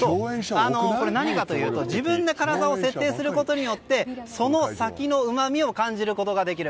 これ、何かというと自分で辛さを設定することによってその先のうまみを感じることができる。